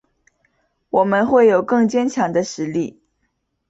我们会有更坚强的实力